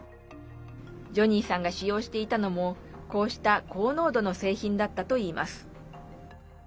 ジョニーさんが使用していたのもこうした高濃度の製品だったといいます。